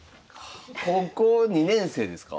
高校２年生ですか？